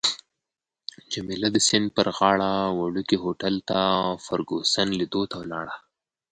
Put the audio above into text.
جميله د سیند پر غاړه وړوکي هوټل ته فرګوسن لیدو ته ولاړه.